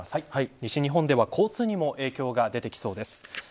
西日本では交通にも影響が出てきそうです。